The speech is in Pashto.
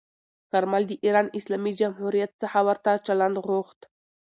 کارمل د ایران اسلامي جمهوریت څخه ورته چلند غوښت.